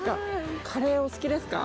カレーお好きですか？